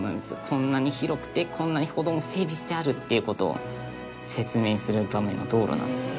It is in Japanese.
こんなに広くてこんなに歩道も整備してあるっていう事を説明するための道路なんです。